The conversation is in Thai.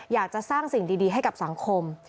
อยากจะสร้างสิ่งดีให้กับสังคม